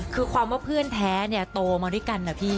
คือความว่าเพื่อนแท้เนี่ยโตมาด้วยกันนะพี่